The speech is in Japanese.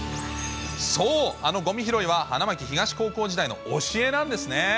そう、あのごみ拾いは花巻東高校時代の教えなんですね。